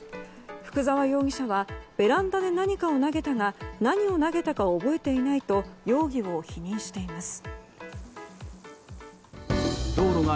福沢容疑者はベランダで何かを投げたが何を投げたか覚えていないと容疑を否認しています。